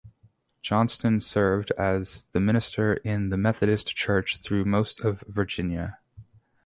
Johnston served as the minister in the Methodist Church through most of Virginia.